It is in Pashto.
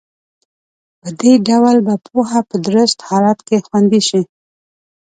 په دې ډول به پوهه په درست حالت کې خوندي شي.